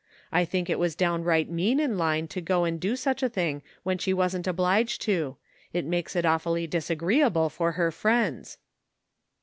I think it was downright mean in Line to go and do such a thing when she wasn't obliged to; it makes it awfully disagreeable for her friends.